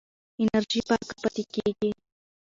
انرژي پاکه پاتې کېږي.